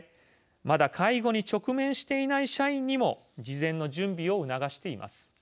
まだ介護に直面していない社員にも事前の準備を促しています。